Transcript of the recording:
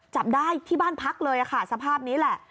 จับได้ที่บ้านพักเลยค่ะสภาพนี้แหละ